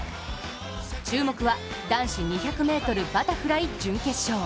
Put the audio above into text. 注目は、男子２００ｍバタフライ準決勝。